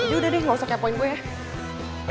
ya udah deh gak usah kepoin gue ya